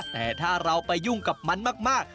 แต่ถ้าเราไปยุ่งกับมันมาก